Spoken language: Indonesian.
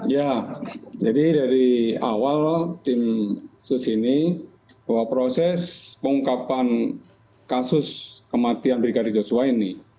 ya jadi dari awal tim sus ini bahwa proses pengungkapan kasus kematian brigadir joshua ini